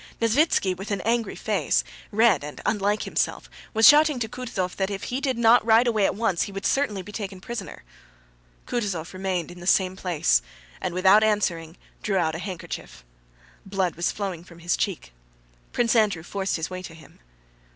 Nesvítski with an angry face, red and unlike himself, was shouting to Kutúzov that if he did not ride away at once he would certainly be taken prisoner. Kutúzov remained in the same place and without answering drew out a handkerchief. Blood was flowing from his cheek. Prince Andrew forced his way to him.